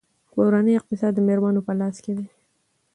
کورنۍ اقتصاد د میرمنو په لاس کې دی.